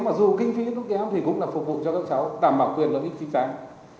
mà dù kinh phí tốn kém thì cũng là phục vụ cho các cháu đảm bảo quyền lợi ích trí trang